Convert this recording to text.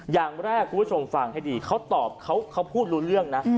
อย่างแรกคุณผู้ชมฟังให้ดีเขาตอบเขาพูดรู้เรื่องนะ